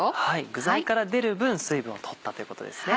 具材から出る分水分を取ったということですね。